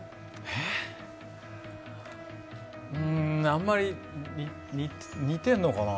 えっ、うーん、あんまり似てるのかな。